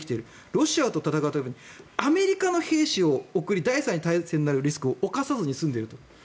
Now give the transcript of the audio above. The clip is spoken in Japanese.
ロシアと戦うためにアメリカの兵士を送らずに第３次世界大戦のリスクを冒さずに済んでいると。